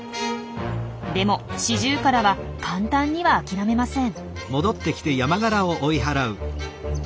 でもシジュウカラは簡単には諦めません。